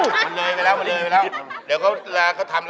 เอาออกมาเอาออกมาเอาออกมา